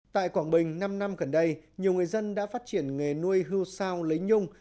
tại quảng bình năm năm gần đây nhiều người dân đã phát triển nghề nuôi hư sao lấy nhung